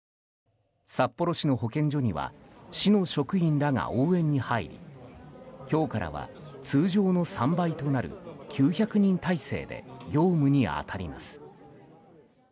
札幌市の保健所には市の職員らが応援に入り今日からは、通常の３倍となる９００人態勢で業務に当たります。